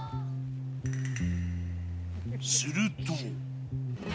すると。